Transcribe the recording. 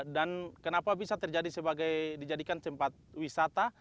dan kenapa bisa terjadi sebagai dijadikan tempat wisata